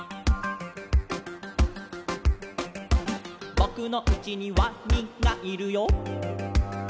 「ぼくのうちにワニがいるよ」